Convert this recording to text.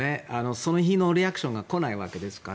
その日のリアクションが来ないわけですから。